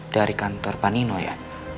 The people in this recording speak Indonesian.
dari kantor pak nino ya